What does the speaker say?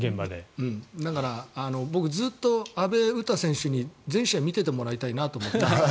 だから、僕はずっと阿部詩選手に全試合見ていてもらいたいなと思って。